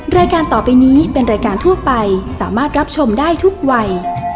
รายการต่อไปนี้เป็นรายการทั่วไปสามารถรับชมได้ทุกวัย